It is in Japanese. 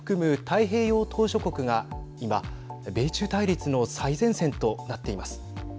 太平洋島しょ国が今、米中対立の最前線となっています。